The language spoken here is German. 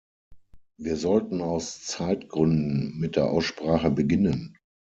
Wir sollten aus Zeitgründen mit der Aussprache beginnen.